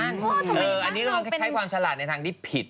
อันนี้ก็ต้องใช้ความฉลาดในทางที่ผิด